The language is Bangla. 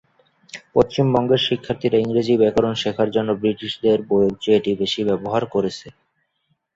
পশ্চিমবঙ্গের শিক্ষার্থীরা ইংরেজি ব্যাকরণ শেখার জন্য ব্রিটিশদের বইয়ের চেয়ে এটি বেশি ব্যবহার করেছে।